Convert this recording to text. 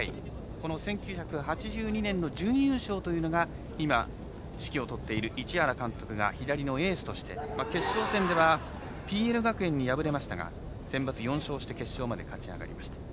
この１９８２年の準優勝というのが今、指揮を執っている市原監督が左のエースとして決勝戦ではＰＬ学園に敗れましたがセンバツ４勝して決勝まで勝ち上がりました。